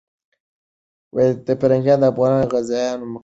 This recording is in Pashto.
پرنګیانو د افغان غازیانو مقابله نسو کولای.